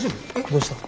どうした？